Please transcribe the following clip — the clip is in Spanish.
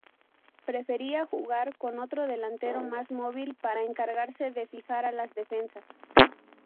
Prefería jugar con otro delantero, más móvil, para encargarse de fijar a las defensas.